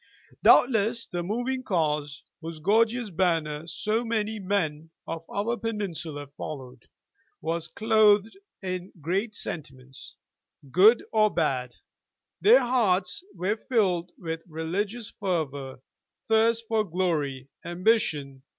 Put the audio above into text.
Doubtless the moving cause, whose gorgeous banner so many men of our peninsula followed, was clothed in great sentiments, good or bad ; their hearts were filled with religious fervor, thirst for glory, ambition.